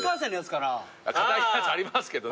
硬いやつありますけど。